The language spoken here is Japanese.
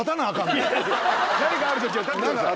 何かある時は立ってください。